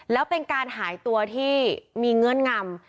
แล้วเป็นการหายตัวที่มีเงื่อนงำ